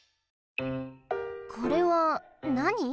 これはなに？